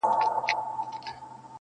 o په غم کي، د انا غم غيم٫